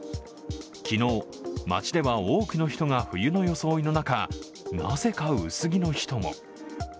昨日、街では多くの人が冬の装いの中、なぜか薄着の人も。